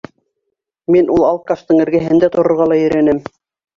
Мин ул алкаштың эргәһендә торорға ла ерәнәм!